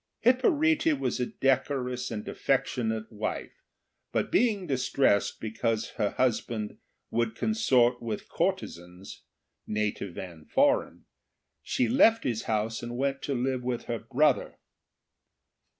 Hipparete was a decorous and affectionate wife, but being distressed because her husband would consort with courtezans, native and foreign, she left his house and went to live with her brother.